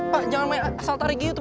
pak jangan asal tarik gitu